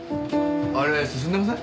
あれ進んでません？